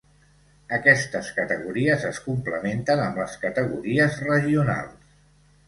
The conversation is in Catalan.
Aquestes categories es complementen amb les categories regionals.